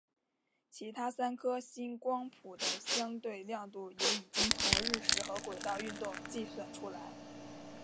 其他三颗星光谱的相对亮度也已经从日食和轨道运动计算出来。